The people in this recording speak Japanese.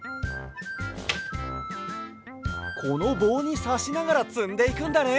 このぼうにさしながらつんでいくんだね。